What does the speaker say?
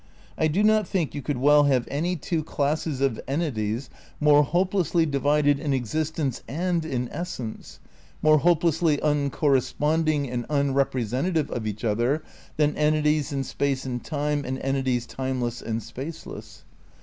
I do not think you could well have any two 134 THE NEW IDEALISM in classes of entities more hopelessly divided in exist ence cmd in essence, more hopelessly uncorresponding and unrepresentative of each other than entities in space and time and entities timeless and spaceless.